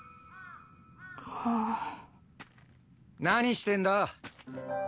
何してんだ？